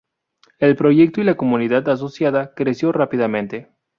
El proyecto y la comunidad asociada creció rápidamente.